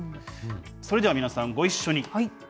それでは皆さん、ご一緒に。